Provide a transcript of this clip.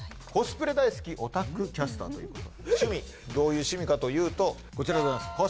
コスプレ大好きオタクキャスターということで趣味どういう趣味かというとこちらでございます